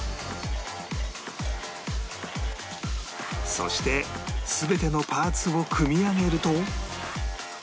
そして全てのパーツを組み上げると